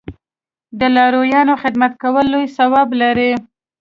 د لارویانو خدمت کول لوی ثواب لري.